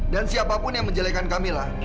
dan siapapun yang menjelekkan kamila